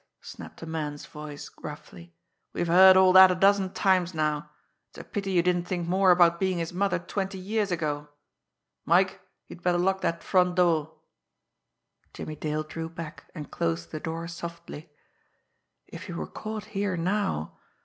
snapped a man's voice gruffly. "We've heard all that a dozen times now. It's a pity you didn't think more about being his mother twenty years ago! Mike, you'd better lock that front door!" Jimmie Dale drew back, and closed the door softly. If he were caught here now!